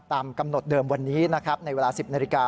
ตามกำหนดเดิมวันนี้นะครับในเวลา๑๐นาฬิกา